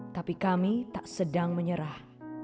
tapi kami tak sedang menyerah